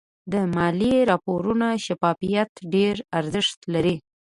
د مالي راپورونو شفافیت ډېر ارزښت لري.